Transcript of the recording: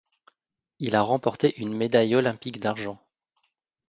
Il a remporté une médaille olympique d'argent.